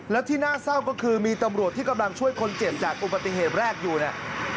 แล้วที่น่าเศร้าก็คือมีตำรวจที่กำลังช่วยคนเจ็บจากอุบัติเหตุแรกอยู่เนี่ย